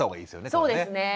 そうですね。